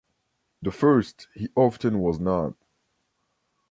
The first, he often was not.